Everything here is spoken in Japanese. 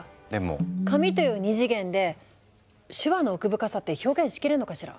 紙という２次元で手話の奥深さって表現しきれるのかしら？